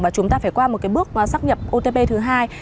và chúng ta phải qua một cái bước xác nhập otp thứ hai